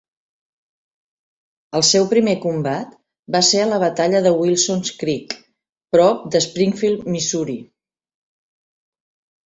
El seu primer combat va ser a la batalla de Wilson's Creek prop de Springfield, Missouri.